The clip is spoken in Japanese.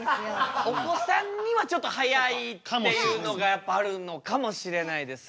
お子さんにはちょっと速いっていうのがやっぱりあるのかもしれないですね。